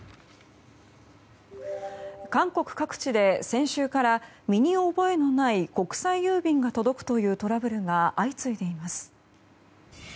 韓国各地で先週から身に覚えのない国際郵便が届くというトラブルが相次いでいます。